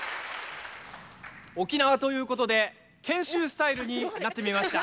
沖縄ということで賢秀スタイルになってみました。